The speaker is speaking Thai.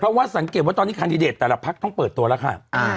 เพราะว่าสังเกตว่าตอนนี้แคนดิเดตแต่ละพักต้องเปิดตัวแล้วค่ะ